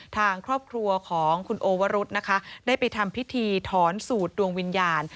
ทางครอบครัวของคุณโอวรุธนะคะได้ไปทำพิธีถอนสูตรดวงวิญญาณ